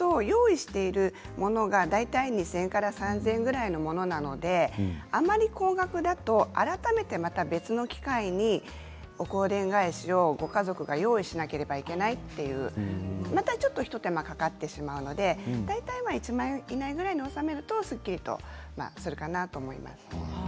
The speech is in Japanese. そうすると用意しているものが大体２０００円から３０００円くらいのものなのであまり高額だと改めてまた別の機会にお香典返しをご家族が用意しなければいけないというまたちょっと一手間かかってしまうので大体１万円以内ぐらいに収めるとすっきりするかなと思います。